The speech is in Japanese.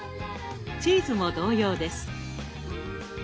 チーズも同様です。